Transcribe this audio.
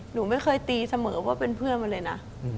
หนูไม่เคยตีเสมอว่าเป็นเพื่อนมาเลยนะ